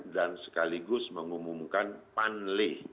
dan sekaligus mengumumkan panleh